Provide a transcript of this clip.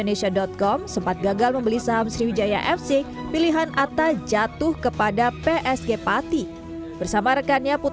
liga dua dan kemudian berganti nama menjadi rans cilegon fc tersebut